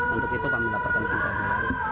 untuk itu kami laporkan kejar hari